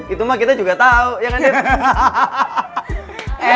itu mah kita juga tau ya kan der